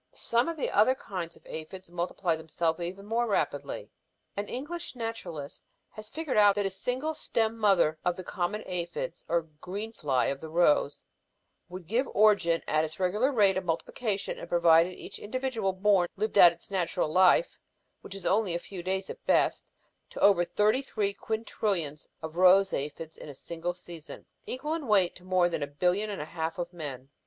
"Some other kinds of aphids multiply themselves even more rapidly. An English naturalist has figured out that a single stem mother of the common aphis, or 'greenfly' of the rose, would give origin, at its regular rate of multiplication and provided each individual born lived out its natural life, which is only a few days at best, to over thirty three quintrillions of rose aphids in a single season, equal in weight to more than a billion and a half of men.